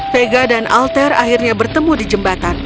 vega dan alter akhirnya bertemu di jembatan